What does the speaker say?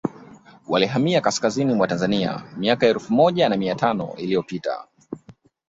walihamia Kaskazini mwa Tanzania miaka elfu moja na mia tano iliyopita